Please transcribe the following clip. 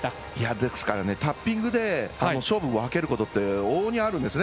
ですから、タッピングで勝負を分けることって往々にあるんですね。